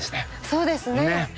そうですね。